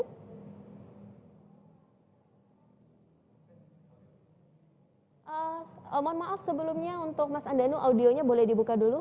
mohon maaf sebelumnya untuk mas andanu audionya boleh dibuka dulu